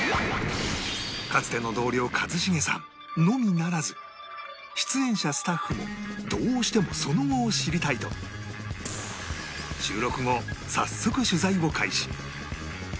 かつての同僚一茂さんのみならず出演者スタッフもどうしてもその後を知りたいと収録後早速取材を開始